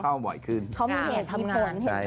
เค้ามีเชื่อมอะไรถึงลงทาง